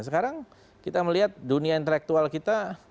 sekarang kita melihat dunia intelektual kita